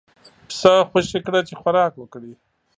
پسه خوشی کړه چې خوراک وکړي.